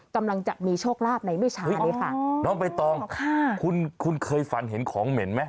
กำลังจะมีโชคลาภในไม่ช้าเลยค่ะน้องใบตองค่ะคุณคุณเคยฝันเห็นของเหม็นไหม